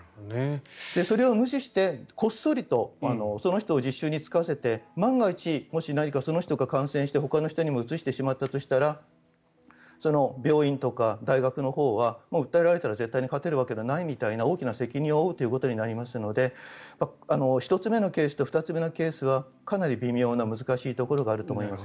それを無視してこっそりとその人を実習に就かせて万が一その人が感染して、ほかの人にもうつしてしまったとしたらその病院とか大学のほうは訴えられたら絶対に勝てるわけないみたいな大きな責任を負うことになるので１つ目のケースと２つ目のケースはかなり微妙な難しいところはあると思います。